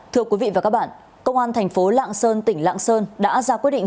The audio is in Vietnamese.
thưa quý vị và các bạn công an thành phố lạng sơn tỉnh lạng sơn đã ra quyết định